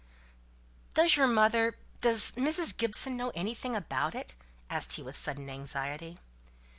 "Does your mother does Mrs. Gibson know anything about it?" asked he with sudden anxiety.